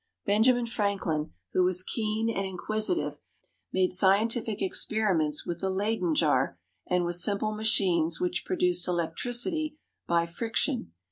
Benjamin Franklin, who was keen and inquisitive, made scientific experiments with the Leyden jar and with simple machines which produced electricity by friction.